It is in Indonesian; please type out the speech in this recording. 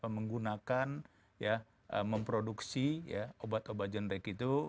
menggunakan memproduksi obat obatan generik itu